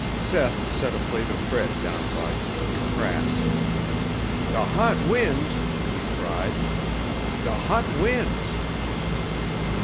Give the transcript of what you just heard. Seth set a plate of bread down by him with a crash. "The hot winds!" he cried. "The hot winds!"